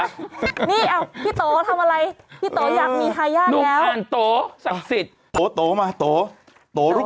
นี่พี่โต๊ะทำอะไร